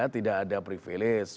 tidak ada privilege